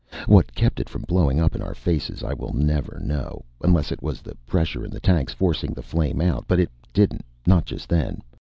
What kept it from blowing up in our faces I will never know, unless it was the pressure in the tanks forcing the flame out; but it didn't. Not just then.